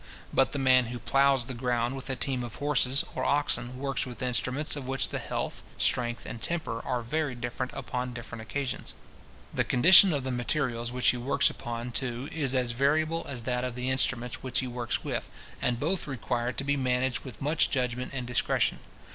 But the man who ploughs the ground with a team of horses or oxen, works with instruments of which the health, strength, and temper, are very different upon different occasions. The condition of the materials which he works upon, too, is as variable as that of the instruments which he works with, and both require to be managed with much judgment and discretion.